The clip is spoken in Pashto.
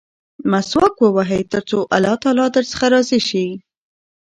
مسواک ووهئ ترڅو الله تعالی درڅخه راضي شي.